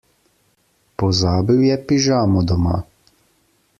Pozabil je pižamo doma.